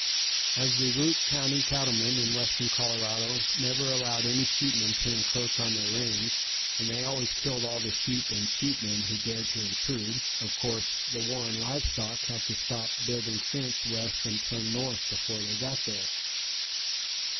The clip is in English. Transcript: As the Routt County cattlemen in western Colorado never allowed any sheepmen to encroach on their range, and they always killed all the sheep and sheepmen who dared to intrude, of course, the Warren Live Stock had to stop building fence west and turn north before they got there.